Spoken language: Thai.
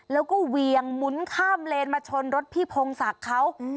แล้วก็เวียงหมุนข้ามเลนมาชนรถพี่พงศักดิ์เขา